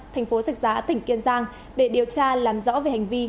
thành phố sạch giá tỉnh kiên giang để điều tra làm rõ về hành vi